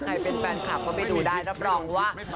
ใครเป็นแฟนคลับก็ไปดูได้รับรองว่า